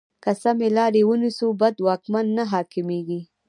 که سمې لارې ونیسو، بد واکمن نه حاکمېږي.